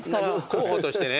候補としてね。